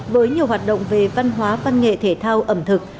với nhiều hoạt động về văn hóa văn nghệ thể thao ẩm thực